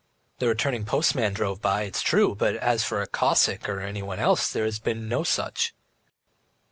"The returning postman drove by, it's true, but as for a Cossack or anyone else, there has been no such."